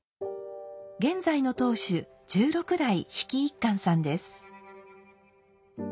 現在の当主十六代飛来一閑さんです。